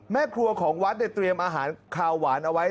แม่ครัวของวัดเนี่ยเตรียมอาหารคาวหวานเอาไว้